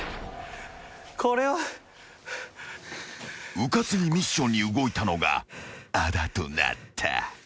［うかつにミッションに動いたのがあだとなった］